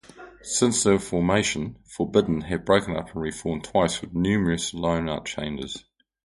Since their formation, Forbidden have broken up and reformed twice with numerous line-up changes.